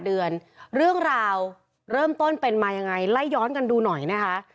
เดือนเรื่องราวเริ่มต้นเป็นมายังไงไล่ย้อนกันดูหน่อยนะคะ